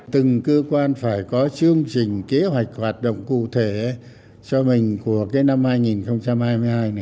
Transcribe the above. từng cơ quan phải có chương trình kế hoạch hoạt động cụ thể cho mình của cái năm hai nghìn hai mươi hai này